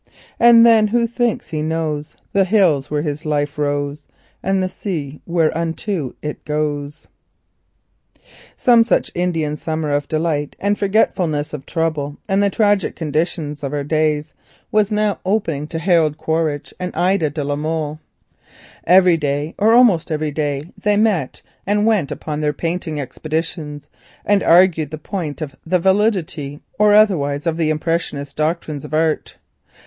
And then he thinks he knows The hills where his life rose And the sea whereunto it goes." Some such Indian summer of delight and forgetfulness of trouble, and the tragic condition of our days, was now opening to Harold Quaritch and Ida de la Molle. Every day, or almost every day, they met and went upon their painting expeditions and argued the point of the validity or otherwise of the impressionist doctrines of art.